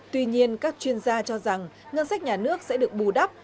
tuy nhiên các chuyên gia cho rằng ngân sách nhà nước sẽ được bù đắp